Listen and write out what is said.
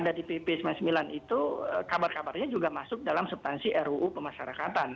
dan di pp sembilan puluh sembilan subtansi yang ada di pp sembilan puluh sembilan itu kabar kabarnya juga masuk dalam subtansi ruu pemasarakatan